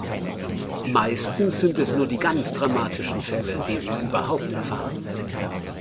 Meistens sind es nur die ganz dramatischen Fälle, die sie überhaupt erfahren.